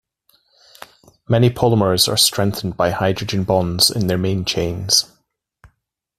Many polymers are strengthened by hydrogen bonds in their main chains.